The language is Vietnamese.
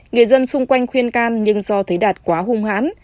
người dân xung quanh khuyên can nhưng do thấy đạt quá hung hãn